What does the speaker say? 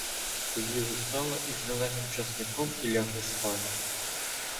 Поїли сала із зеленим часником і лягли спати.